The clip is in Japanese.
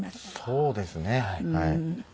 そうですねはい。